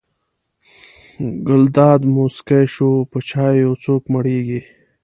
ګلداد موسکی شو: په چایو څوک مړېږي.